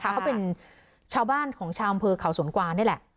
เขาเป็นชาวบ้านของชาวอำเภอเขาสวนกวางนี่แหละ